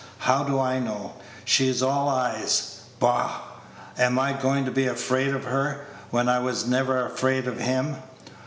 How do I know? She is all eyes! Bah! am I going to be afraid of her, when I was never afraid of him?